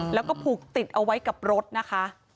แล้วก็ผูกติดเอาไว้กับรถนะคะ